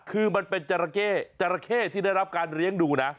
คือมันเป็นจราเข้จราเข้ที่ได้รับการเลี้ยงดูนะ